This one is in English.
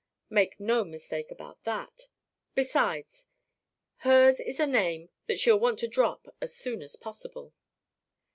Make no mistake about that. Besides, her's is a name that she'll want to drop as soon as possible."